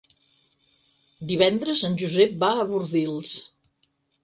Divendres en Josep va a Bordils.